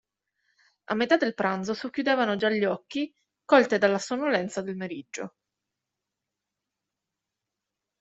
A metà del pranzo socchiudevano già gli occhi, colte dalla sonnolenza del meriggio.